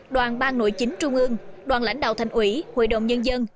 đoàn bang nội chính trung ương đoàn lãnh đạo thành ủy hội đồng nhân dân